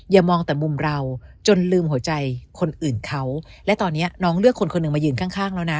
มองแต่มุมเราจนลืมหัวใจคนอื่นเขาและตอนนี้น้องเลือกคนคนหนึ่งมายืนข้างแล้วนะ